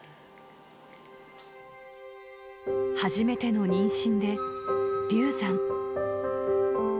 初めての妊娠で流産。